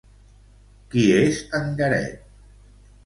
Qui és en Garet?